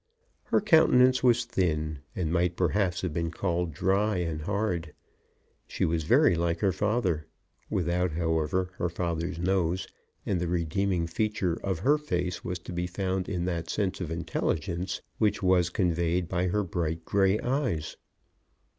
Her countenance was thin, and might perhaps have been called dry and hard. She was very like her father, without, however, her father's nose, and the redeeming feature of her face was to be found in that sense of intelligence which was conveyed by her bright grey eyes.